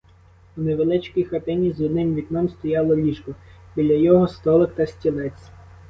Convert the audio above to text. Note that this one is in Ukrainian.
У невеличкій хатині з одним вікном стояло ліжко, біля його столик та стілець.